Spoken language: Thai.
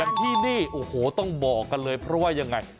ที่นี่โอ้โหต้องบอกกันเลยเพราะว่ายังไง